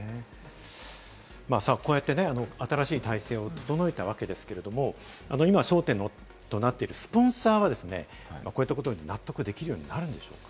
こうやってね、新しい体制を整えたわけですけれども、今焦点となっているスポンサーは、こういったことに納得できるようになるんでしょうか？